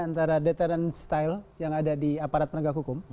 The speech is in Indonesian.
antara deteran style yang ada di aparat penegak hukum